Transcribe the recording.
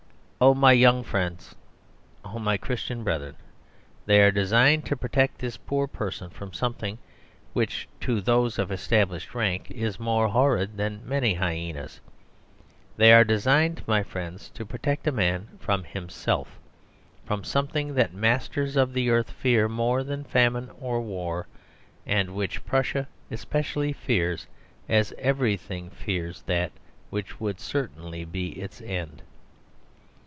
Oh, my young friends; oh, my Christian brethren, they are designed to protect this poor person from something which to those of established rank is more horrid than many hyenas. They are designed, my friends, to protect a man from himself from something that the masters of the earth fear more than famine or war, and which Prussia especially fears as everything fears that which would certainly be its end.